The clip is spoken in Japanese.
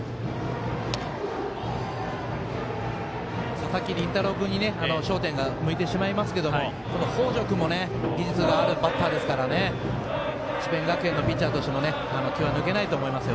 佐々木麟太郎君に焦点が向いてしまいますけどこの北條君も技術があるバッターですからね智弁学園のピッチャーとしては気が抜けないと思います。